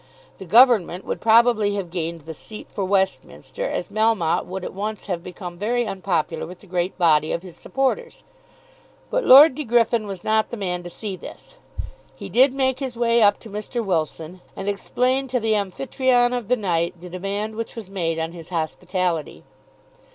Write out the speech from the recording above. The Government would probably have gained the seat for Westminster, as Melmotte would at once have become very unpopular with the great body of his supporters. But Lord De Griffin was not the man to see this. He did make his way up to Mr. Wilson, and explained to the Amphytrion of the night the demand which was made on his hospitality.